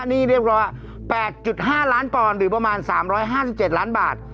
นี่เรียบร้อย๘๕ล้านปอนด์หรือประมาณ๓๕๗ล้านบาท